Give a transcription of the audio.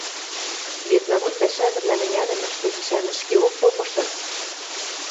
Вет завод пӓшӓзӹвлӓн ӹнянӹмӹштӹ гишӓн ӹшкеок попышыц.